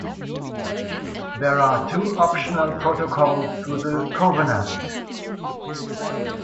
There are two Optional Protocols to the Covenant.